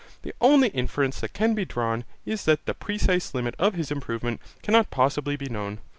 The only inference that can be drawn is that the precise limit of his improvement cannot possibly be known.